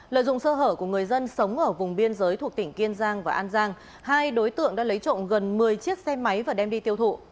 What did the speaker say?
lợi dụng sơ hở của người dân sống ở vùng biên giới thuộc tỉnh kiên giang và an giang hai đối tượng đã lấy trộm gần một mươi chiếc xe máy và đem đi tiêu thụ